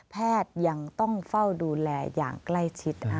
แพทย์ยังต้องเฝ้าดูแลอย่างใกล้ชิด